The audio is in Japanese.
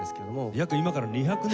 約今から２００年近く前。